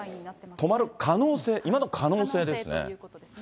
止まる可能性、今のところ可能性ですね。